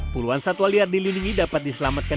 puluhan satwa liar dilindungi dapat diselamatkan